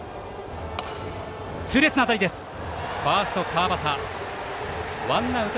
ファースト川端がとってワンアウト。